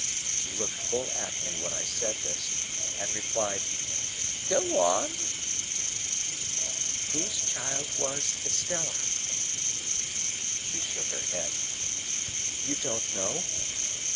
She looked full at me when I said this, and replied, "Go on." "Whose child was Estella?" She shook her head. "You don't know?"